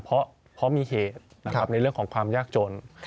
เพราะมีเหตุนะครับในเรื่องของความยากจน